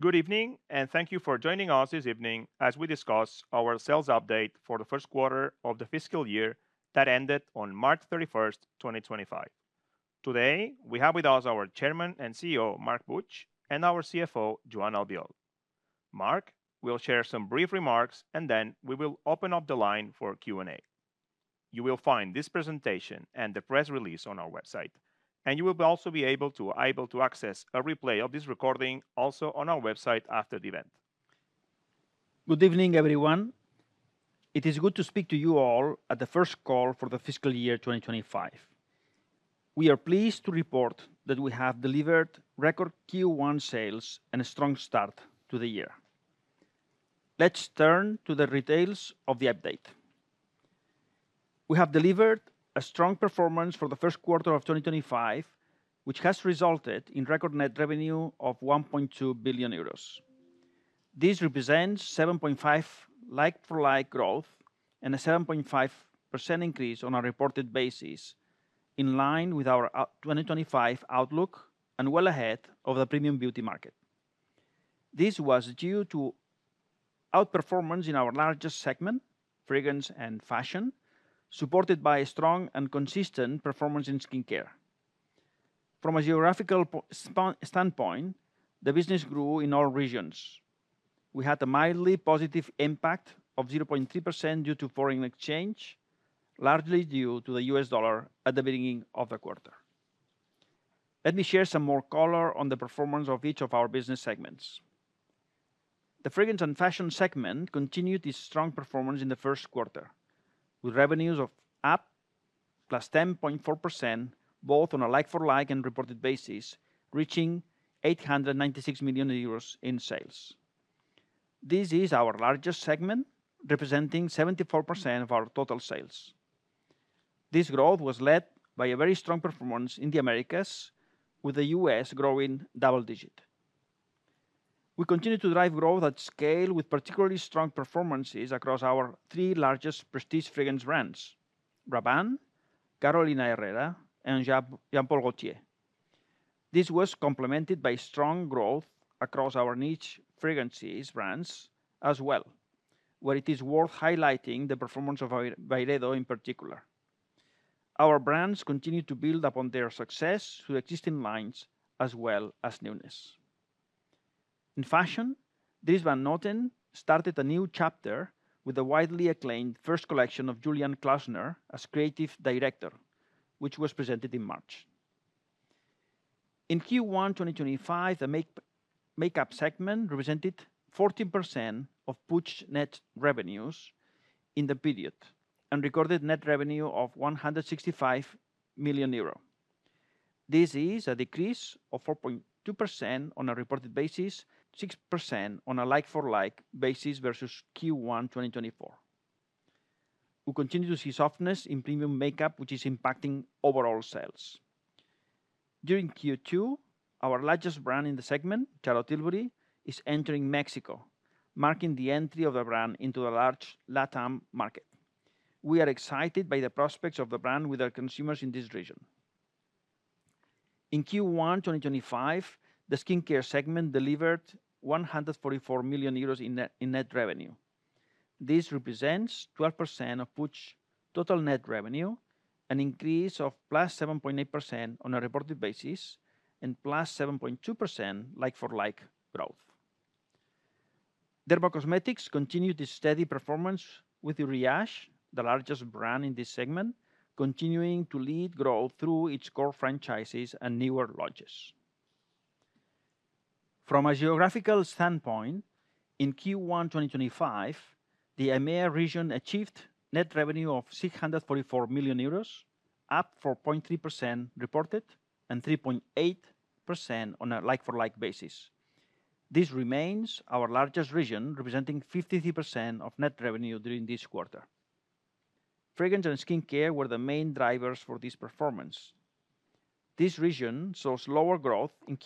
Good evening and thank you for joining us this evening as we discuss our sales update for the Q1 of the Fiscal Year that ended on March 31, 2025. Today, we have with us our Chairman and CEO, Marc Puig, and our CFO, Joan Albiol. Marc will share some brief remarks, and then we will open up the line for Q&A. You will find this presentation and the press release on our website, and you will also be able to access a replay of this recording also on our website after the event. Good evening, everyone. It is good to speak to you all at the first call for the Fiscal Year 2025. We are pleased to report that we have delivered record Q1 sales and a strong start to the year. Let's turn to the details of the update. We have delivered a strong performance for the Q1 of 2025, which has resulted in record net revenue of 1.2 billion euros. This represents 7.5% like-for-like growth and a 7.5% increase on a reported basis, in line with our 2025 outlook and well ahead of the premium beauty market. This was due to outperformance in our largest segment, fragrance and fashion, supported by strong and consistent performance in skincare. From a geographical standpoint, the business grew in all regions. We had a mildly positive impact of 0.3% due to foreign exchange, largely due to the US dollar at the beginning of the quarter. Let me share some more color on the performance of each of our business segments. The fragrance and fashion segment continued its strong performance in the Q1, with revenues up 10.4%, both on a like-for-like and reported basis, reaching 896 million euros in sales. This is our largest segment, representing 74% of our total sales. This growth was led by a very strong performance in the Americas, with the US growing double-digit. We continue to drive growth at scale with particularly strong performances across our three largest prestige fragrance brands: Rabanne, Carolina Herrera, and Jean Paul Gaultier. This was complemented by strong growth across our niche fragrances brands as well, where it is worth highlighting the performance of Byredo in particular. Our brands continue to build upon their success through existing lines as well as newness. In fashion, Dries Van Noten started a new chapter with the widely acclaimed first collection of Julian Klausner as creative director, which was presented in March. In Q1 2025, the makeup segment represented 14% of Puig's net revenues in the period and recorded net revenue of 165 million euro. This is a decrease of 4.2% on a reported basis, 6% on a like-for-like basis versus Q1 2024. We continue to see softness in premium makeup, which is impacting overall sales. During Q2, our largest brand in the segment, Charlotte Tilbury, is entering Mexico, marking the entry of the brand into the large LATAM market. We are excited by the prospects of the brand with our consumers in this region. In Q1 2025, the skincare segment delivered 144 million euros in net revenue. This represents 12% of Puig's total net revenue, an increase of +7.8% on a reported basis, and +7.2% like-for-like growth. Dermacosmetics continued its steady performance with Uriage, the largest brand in this segment, continuing to lead growth through its core franchises and newer launches. From a geographical standpoint, in Q1 2025, the EMEA region achieved net revenue of 644 million euros, up 4.3% reported and 3.8% on a like-for-like basis. This remains our largest region, representing 53% of net revenue during this quarter. Fragrance and skincare were the main drivers for this performance. This region saw slower growth in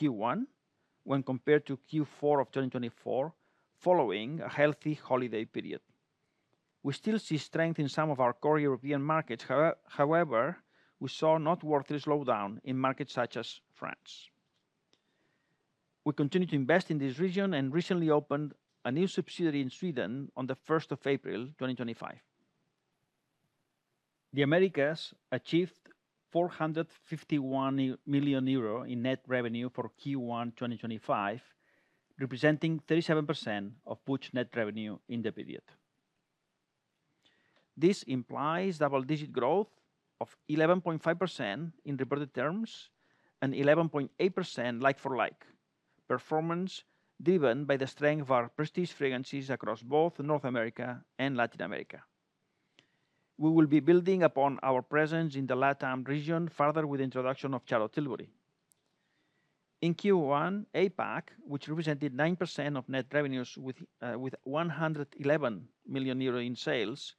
Q1 when compared to Q4 of 2024, following a healthy holiday period. We still see strength in some of our core European markets; however, we saw a noteworthy slowdown in markets such as France. We continue to invest in this region and recently opened a new subsidiary in Sweden on the 1st of April 2025. The Americas achieved 451 million euro in net revenue for Q1 2025, representing 37% of Puig's net revenue in the period. This implies double-digit growth of 11.5% in reported terms and 11.8% like-for-like performance, driven by the strength of our prestige fragrances across both North America and Latin America. We will be building upon our presence in the LATAM region further with the introduction of Charlotte Tilbury. In Q1, APAC, which represented 9% of net revenues with 111 million euro in sales,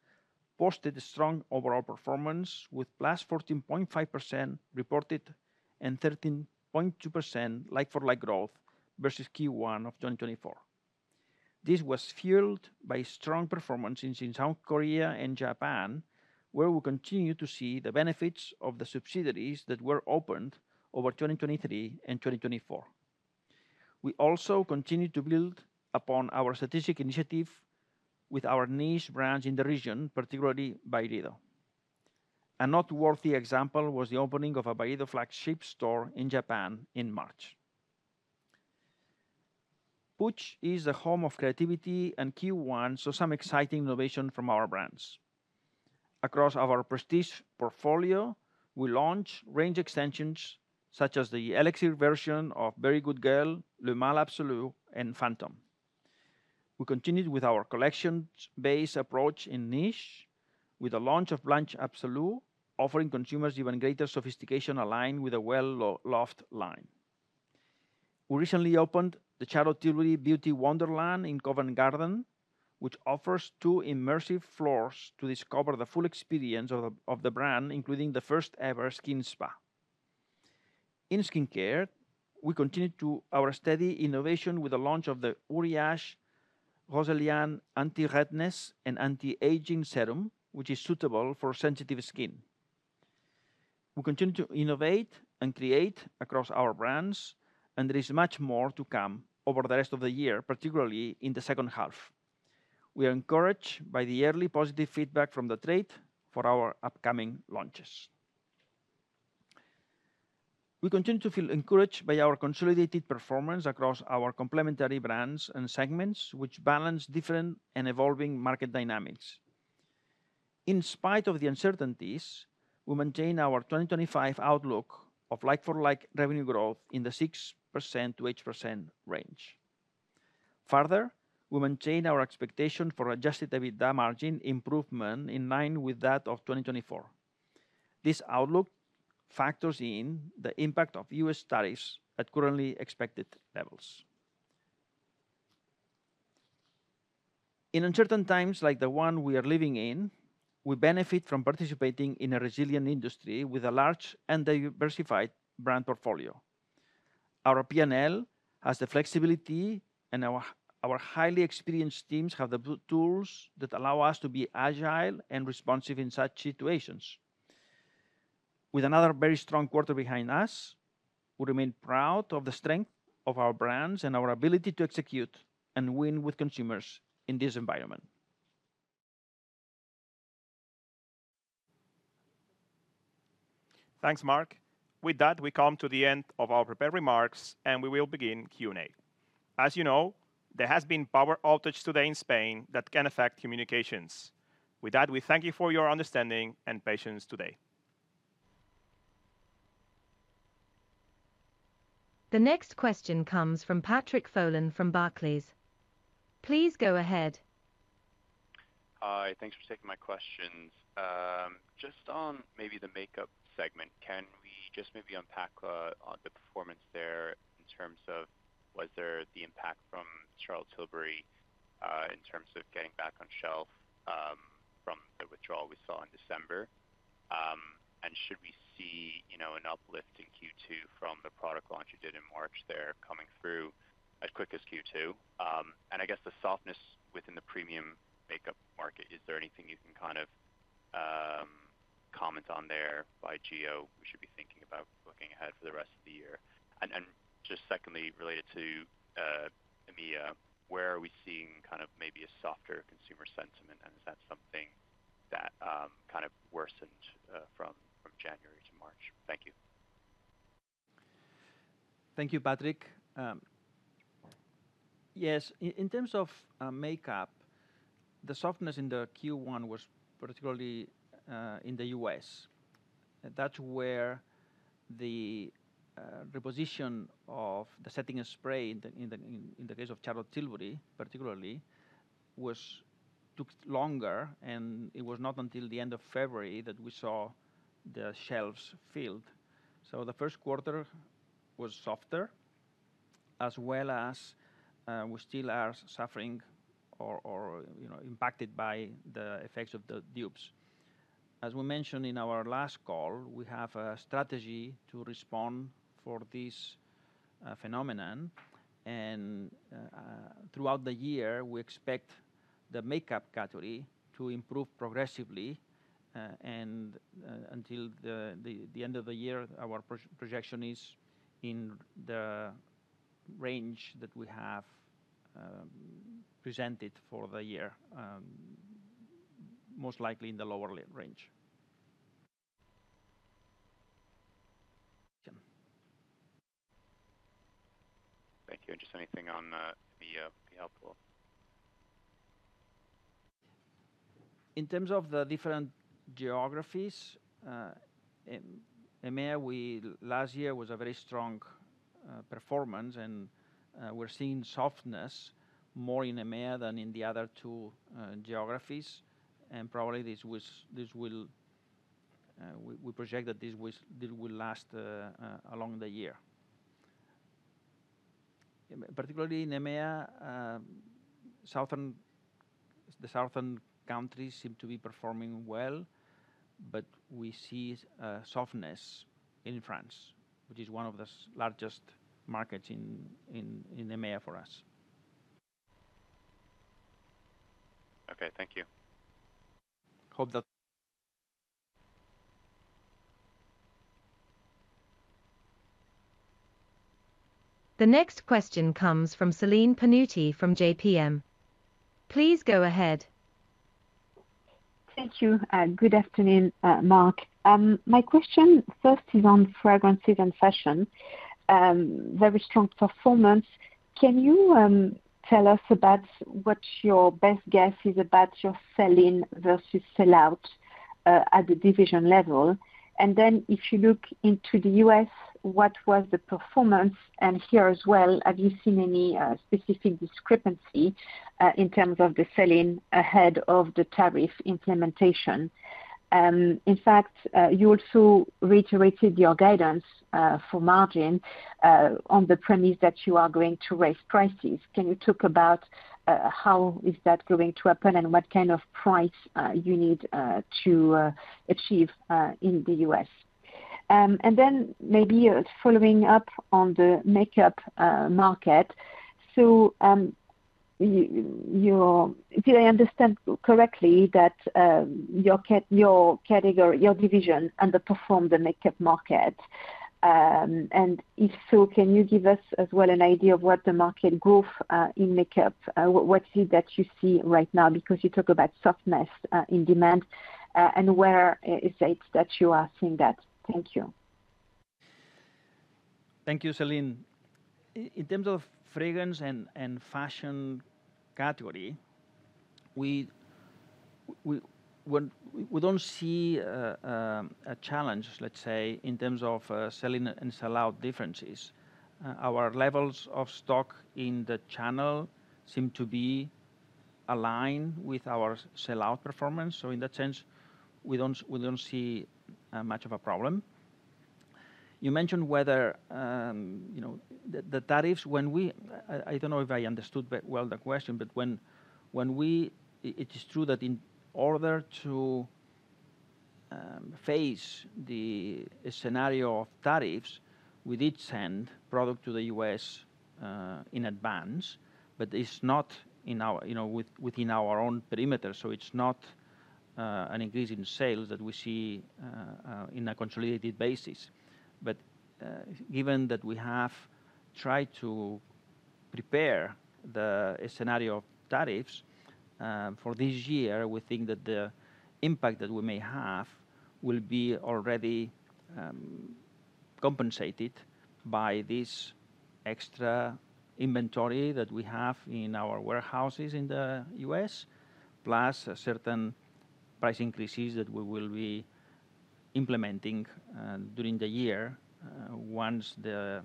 posted a strong overall performance with plus 14.5% reported and 13.2% like-for-like growth versus Q1 of 2024. This was fueled by strong performance in South Korea and Japan, where we continue to see the benefits of the subsidiaries that were opened over 2023 and 2024. We also continue to build upon our strategic initiative with our niche brands in the region, particularly Byredo. A noteworthy example was the opening of a Byredo flagship store in Japan in March. Puig is a home of creativity, and Q1 saw some exciting innovation from our brands. Across our prestige portfolio, we launched range extensions such as the Elixir version of Very Good Girl, Le Male Absolu, and Phantom. We continued with our collection-based approach in niche with the launch of Blanche Absolu, offering consumers even greater sophistication aligned with a well-loved line. We recently opened the Charlotte Tilbury Beauty Wonderland in Covent Garden, which offers two immersive floors to discover the full experience of the brand, including the first-ever skin spa. In skincare, we continued our steady innovation with the launch of the Uriage Roséliane Anti-Redness and Anti-Aging Serum, which is suitable for sensitive skin. We continue to innovate and create across our brands, and there is much more to come over the rest of the year, particularly in the second half. We are encouraged by the early positive feedback from the trade for our upcoming launches. We continue to feel encouraged by our consolidated performance across our complementary brands and segments, which balance different and evolving market dynamics. In spite of the uncertainties, we maintain our 2025 outlook of like-for-like revenue growth in the 6%-8% range. Further, we maintain our expectation for adjusted EBITDA margin improvement in line with that of 2024. This outlook factors in the impact of US tariffs at currently expected levels. In uncertain times like the one we are living in, we benefit from participating in a resilient industry with a large and diversified brand portfolio. Our P&L has the flexibility, and our highly experienced teams have the tools that allow us to be agile and responsive in such situations. With another very strong quarter behind us, we remain proud of the strength of our brands and our ability to execute and win with consumers in this environment. Thanks, Marc. With that, we come to the end of our prepared remarks, and we will begin Q&A. As you know, there has been power outages today in Spain that can affect communications. With that, we thank you for your understanding and patience today. The next question comes from Patrick Folan from Barclays. Please go ahead. Hi, thanks for taking my questions. Just on maybe the makeup segment, can we just maybe unpack the performance there in terms of was there the impact from Charlotte Tilbury in terms of getting back on shelf from the withdrawal we saw in December? Should we see an uplift in Q2 from the product launch you did in March there coming through as quick as Q2? I guess the softness within the premium makeup market, is there anything you can kind of comment on there by GEO we should be thinking about looking ahead for the rest of the year? Just secondly, related to EMEA, where are we seeing kind of maybe a softer consumer sentiment, and is that something that kind of worsened from January to March? Thank you. Thank you, Patrick. Yes, in terms of makeup, the softness in Q1 was particularly in the US. That is where the reposition of the setting spray, in the case of Charlotte Tilbury particularly, took longer, and it was not until the end of February that we saw the shelves filled. The Q1 was softer, as well as we still are suffering or impacted by the effects of the dupes. As we mentioned in our last call, we have a strategy to respond for this phenomenon, and throughout the year, we expect the makeup category to improve progressively. Until the end of the year, our projection is in the range that we have presented for the year, most likely in the lower range. Thank you. Anything on EMEA would be helpful. In terms of the different geographies, EMEA last year was a very strong performance, and we are seeing softness more in EMEA than in the other two geographies. We project that this will last along the year. Particularly in EMEA, the southern countries seem to be performing well, but we see softness in France, which is one of the largest markets in EMEA for us. Okay, thank you. The next question comes from Celine Pannuti from JPMorgan. Please go ahead. Thank you. Good afternoon, Marc. My question first is on fragrances and fashion. Very strong performance. Can you tell us about what your best guess is about your sell-in versus sell-out at the division level? If you look into the US, what was the performance? Here as well, have you seen any specific discrepancy in terms of the sell-in ahead of the tariff implementation? In fact, you also reiterated your guidance for margin on the premise that you are going to raise prices. Can you talk about how is that going to happen and what kind of price you need to achieve in the US? Maybe following up on the makeup market, did I understand correctly that your division underperformed the makeup market? If so, can you give us as well an idea of what the market growth in makeup, what is it that you see right now? Because you talk about softness in demand, and where is it that you are seeing that? Thank you. Thank you, Celine. In terms of fragrance and fashion category, we don't see a challenge, let's say, in terms of sell-in and sell-out differences. Our levels of stock in the channel seem to be aligned with our sell-out performance. In that sense, we don't see much of a problem. You mentioned whether the tariffs, when we, I don't know if I understood well the question, but it is true that in order to face the scenario of tariffs, we did send product to the US in advance, but it's not within our own perimeter. It's not an increase in sales that we see on a consolidated basis. Given that we have tried to prepare the scenario of tariffs for this year, we think that the impact that we may have will be already compensated by this extra inventory that we have in our warehouses in the US, plus certain price increases that we will be implementing during the year once the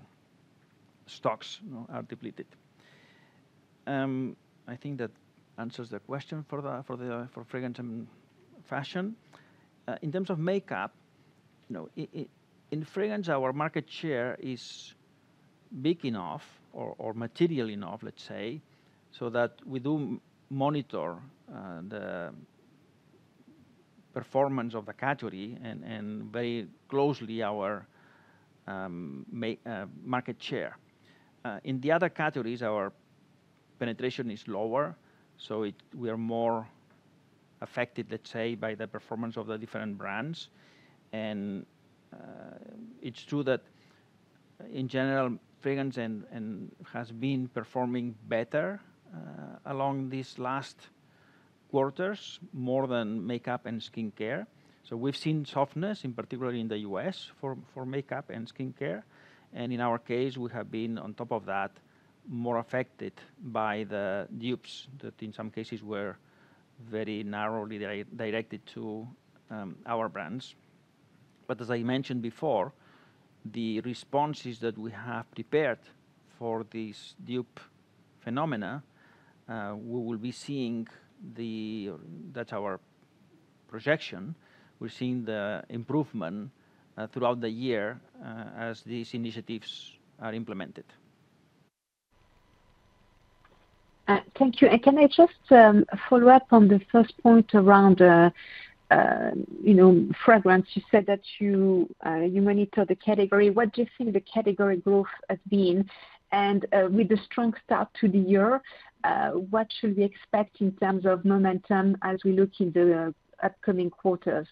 stocks are depleted. I think that answers the question for fragrance and fashion. In terms of makeup, in fragrance, our market share is big enough or material enough, let's say, so that we do monitor the performance of the category and very closely our market share. In the other categories, our penetration is lower, so we are more affected, let's say, by the performance of the different brands. It is true that in general, fragrance has been performing better along these last quarters more than makeup and skincare. We have seen softness, in particular in the US, for makeup and skincare. In our case, we have been on top of that more affected by the dupes that in some cases were very narrowly directed to our brands. As I mentioned before, the responses that we have prepared for these dupe phenomena, we will be seeing the—that is our projection. We are seeing the improvement throughout the year as these initiatives are implemented. Thank you. Can I just follow up on the first point around fragrance? You said that you monitor the category. What do you think the category growth has been? With the strong start to the year, what should we expect in terms of momentum as we look in the upcoming quarters?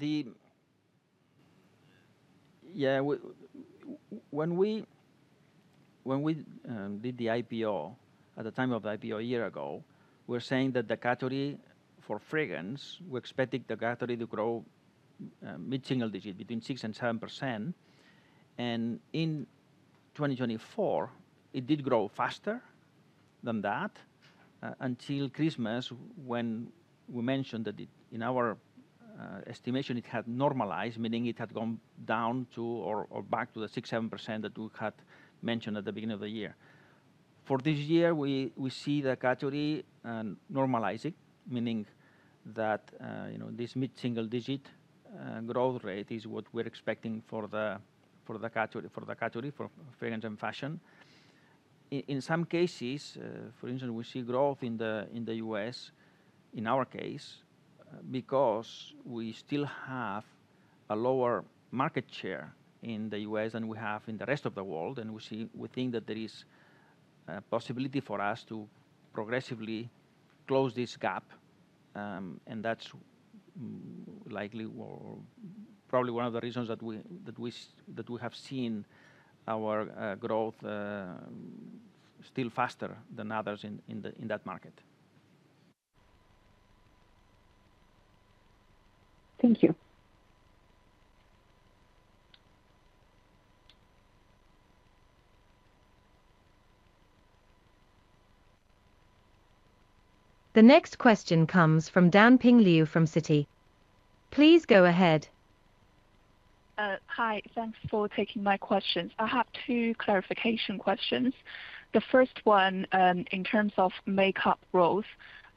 Yeah. When we did the IPO, at the time of the IPO a year ago, we were saying that the category for fragrance, we expected the category to grow mid-single digit, between 6% and 7%. In 2024, it did grow faster than that until Christmas, when we mentioned that in our estimation, it had normalized, meaning it had gone down to or back to the 6%-7% that we had mentioned at the beginning of the year. For this year, we see the category normalizing, meaning that this mid-single digit growth rate is what we're expecting for the category for fragrance and fashion. In some cases, for instance, we see growth in the US, in our case, because we still have a lower market share in the US than we have in the rest of the world. We think that there is a possibility for us to progressively close this gap. That's likely or probably one of the reasons that we have seen our growth still faster than others in that market. Thank you. The next question comes from Danping Liu from Citi. Please go ahead. Hi. Thanks for taking my questions. I have two clarification questions. The first one, in terms of makeup growth,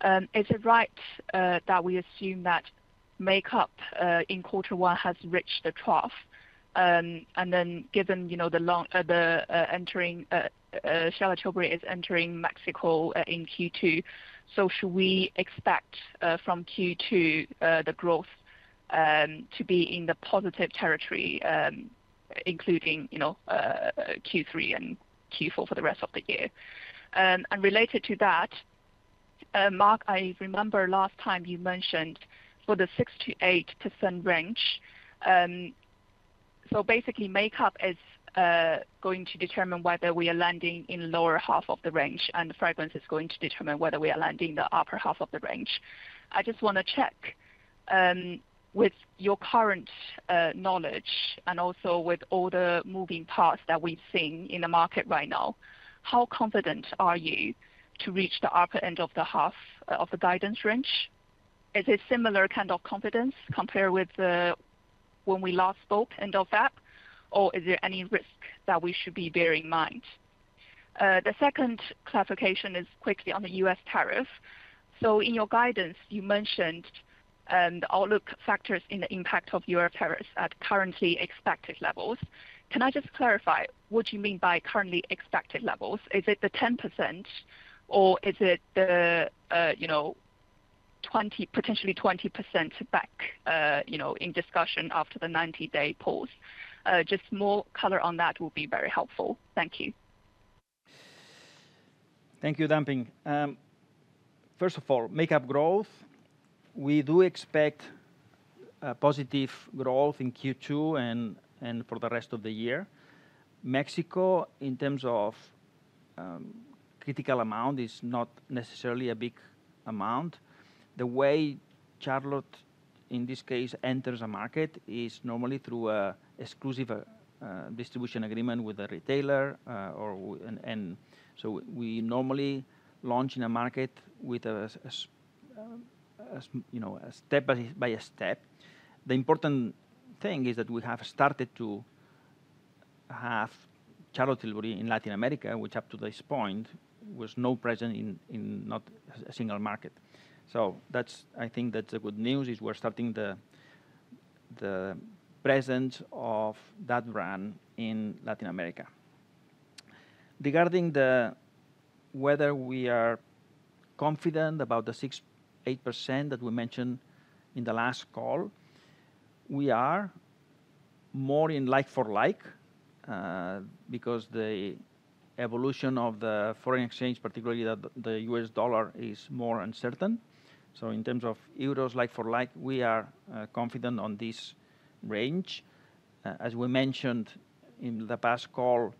is it right that we assume that makeup in quarter one has reached the trough? Given the entering Charlotte Tilbury is entering Mexico in Q2, should we expect from Q2 the growth to be in the positive territory, including Q3 and Q4 for the rest of the year? Related to that, Marc, I remember last time you mentioned for the 6%-8% range. Basically, makeup is going to determine whether we are landing in the lower half of the range, and fragrance is going to determine whether we are landing in the upper half of the range. I just want to check, with your current knowledge and also with all the moving parts that we've seen in the market right now, how confident are you to reach the upper end of the half of the guidance range? Is it similar kind of confidence compared with when we last spoke and all that? Is there any risk that we should be bearing in mind? The second clarification is quickly on the US tariff. In your guidance, you mentioned the outlook factors in the impact of US tariffs at currently expected levels. Can I just clarify, what do you mean by currently expected levels? Is it the 10%, or is it potentially 20% back in discussion after the 90-day pause? More color on that would be very helpful. Thank you. Thank you, Dan Ping. First of all, makeup growth, we do expect positive growth in Q2 and for the rest of the year. Mexico, in terms of critical amount, is not necessarily a big amount. The way Charlotte, in this case, enters a market is normally through an exclusive distribution agreement with a retailer. We normally launch in a market with a step by a step. The important thing is that we have started to have Charlotte Tilbury in Latin America, which up to this point was not present in not a single market. I think the good news is we're starting the presence of that brand in Latin America. Regarding whether we are confident about the 6%-8% that we mentioned in the last call, we are more in like-for-like because the evolution of the foreign exchange, particularly the US dollar, is more uncertain. In terms of euros like-for-like, we are confident on this range. As we mentioned in the past call,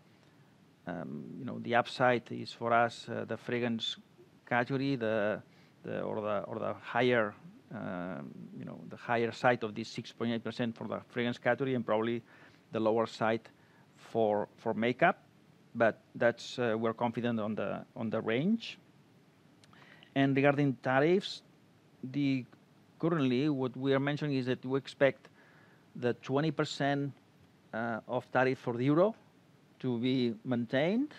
the upside is for us the fragrance category or the higher side of this 6.8% for the fragrance category and probably the lower side for makeup. We are confident on the range. Regarding tariffs, currently, what we are mentioning is that we expect the 20% of tariff for the euro to be maintained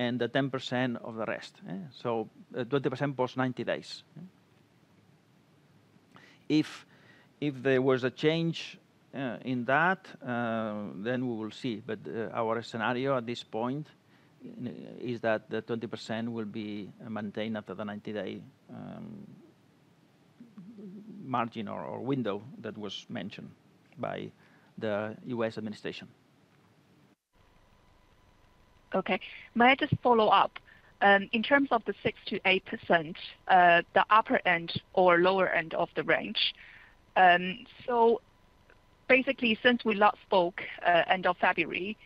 and the 10% of the rest. So 20% plus 90 days. If there was a change in that, we will see. Our scenario at this point is that the 20% will be maintained after the 90-day margin or window that was mentioned by the US administration. Okay. May I just follow up? In terms of the 6%-8%, the upper end or lower end of the range, so basically, since we last spoke end of February,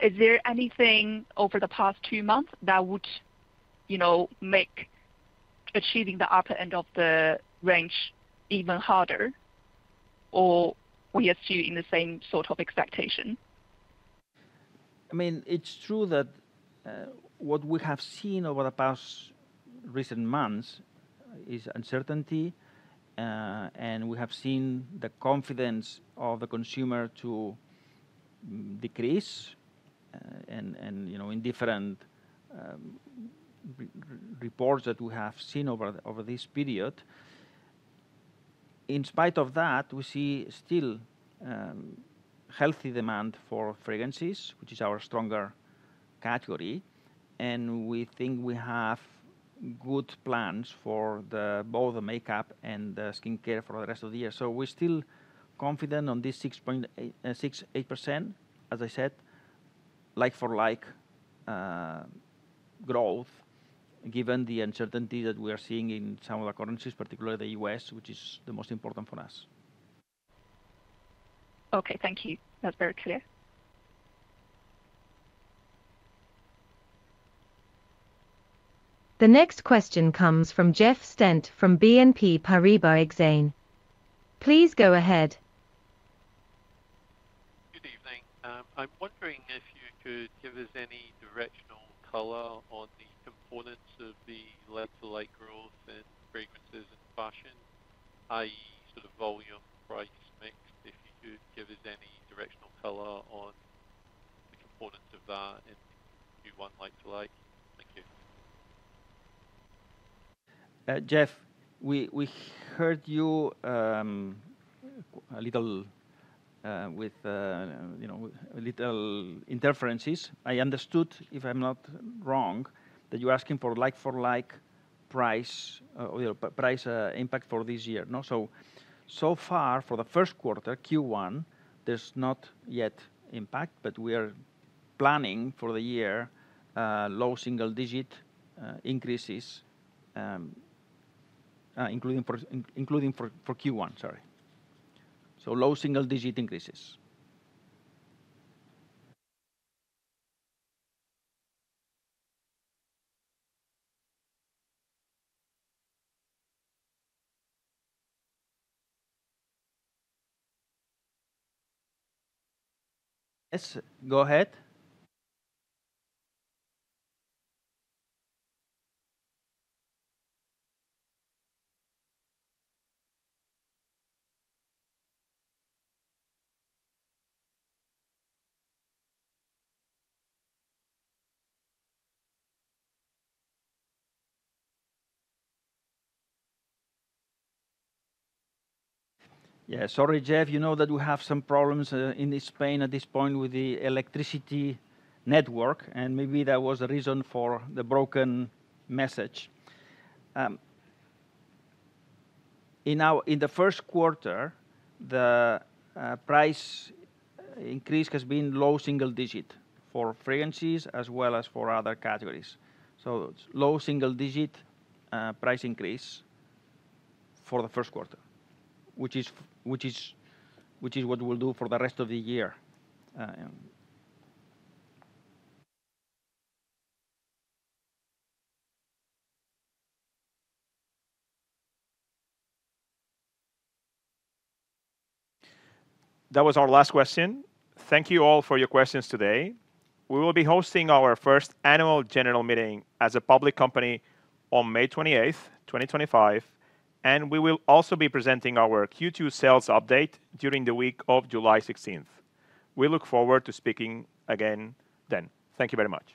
is there anything over the past two months that would make achieving the upper end of the range even harder, or we are still in the same sort of expectation? It's true that what we have seen over the past recent months is uncertainty. We have seen the confidence of the consumer decrease in different reports that we have seen over this period. In spite of that, we see still healthy demand for fragrances, which is our stronger category. We think we have good plans for both the makeup and the skincare for the rest of the year. We're still confident on this 6%-8%, as I said, like-for-like growth, given the uncertainty that we are seeing in some of the currencies, particularly the US, which is the most important for us. Okay. Thank you. That's very clear. The next question comes from Jeff Stent from BNP Paribas Exane. Please go ahead. Good evening. I'm wondering if you could give us any directional color on the components of the like-for-like growth in fragrances and fashion, i.e., sort of volume, price, mixed. If you could give us any directional color on the components of that in Q1 like-for-like. Thank you. Jeff, we heard you a little with little interferences. I understood, if I'm not wrong, that you're asking for like-for-like price impact for this year. So far, for the Q1, Q1, there's not yet impact, but we are planning for the year low single-digit increases, including for Q1, sorry. Low single-digit increases. Sorry, Jeff. You know that we have some problems in Spain at this point with the electricity network, and maybe that was the reason for the broken message. In the Q1, the price increase has been low single-digit for fragrances as well as for other categories. Low single-digit price increase for the Q1, which is what we'll do for the rest of the year. That was our last question. Thank you all for your questions today. We will be hosting our first annual general meeting as a public company on May 28, 2025. We will also be presenting our Q2 sales update during the week of July 16. We look forward to speaking again then. Thank you very much.